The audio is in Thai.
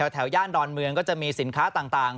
ย่านดอนเมืองก็จะมีสินค้าต่าง